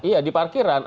iya di parkiran